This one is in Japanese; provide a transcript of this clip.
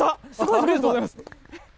ありがとうございます。